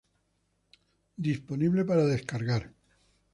Disponible para descargar.